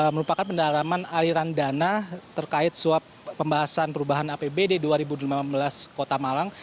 merupakan pendalaman aliran dana terkait suap pembahasan perubahan apbd dua ribu delapan belas kota malang